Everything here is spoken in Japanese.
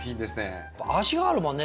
味があるもんね